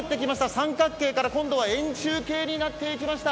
三角形から、今度は円柱形になっていきました。